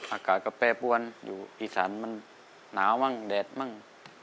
อากาศก็แปรปวนอยู่อีสานมันหนาวมั่งแดดมั่ง